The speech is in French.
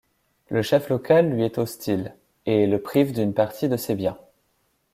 Le chef local lui est hostile, et le prive d'une partie de ses biens.